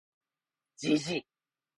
gg